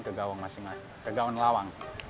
terus kan ke gawang lawang